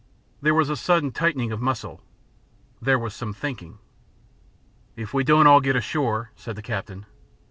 There was a sudden tightening of muscle. There was some thinking. "If we don't all get ashore " said the captain.